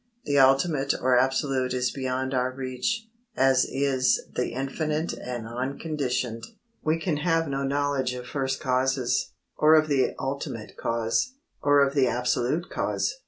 The ultimate or absolute is beyond our reach, as is the infinite and unconditioned. We can have no knowledge of First Causes, or of the Ultimate Cause, or of the Absolute Cause.